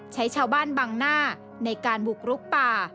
ใช้ชาวบ้านบังหน้าในการบุกรุกป่า